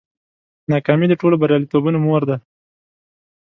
ناکامي د ټولو بریالیتوبونو مور ده.